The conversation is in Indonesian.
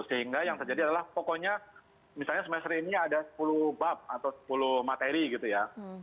sehingga yang terjadi adalah pokoknya misalnya semester ini ada sepuluh bab atau sepuluh materi gitu ya